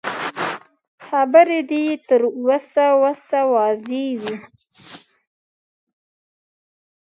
خبرې دې يې تر وسه وسه واضح وي.